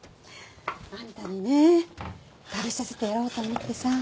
あんたにね食べさせてやろうと思ってさ。